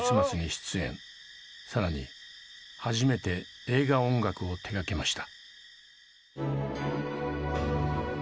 更に初めて映画音楽を手がけました。